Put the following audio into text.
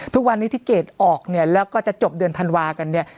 ทุกวันนี้ที่เกรดออกเนี่ยแล้วก็จะจบเดือนธันวากันเนี่ย